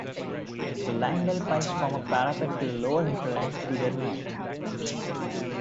The Langdale Pikes form a parapet to the lower hinterland to their north.